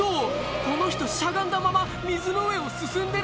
この人しゃがんだまま水の上を進んでる？